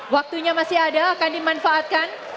waktunya masih ada akan dimanfaatkan